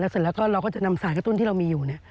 เสร็จแล้วก็เราก็จะนำสารกระตุ้นที่เรามีอยู่